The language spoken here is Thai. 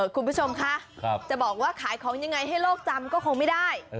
คุณผู้ชมคะจะบอกว่าขายของยังไงให้โลกจำก็คงไม่ได้